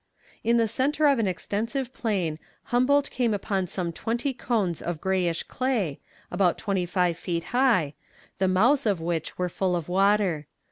In the centre of an extensive plain Humboldt came upon some twenty cones of greyish clay, about twenty five feet high, the mouths of which were full of water.